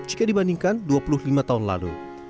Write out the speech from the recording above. jika dibandingkan dua puluh lima tahun lalu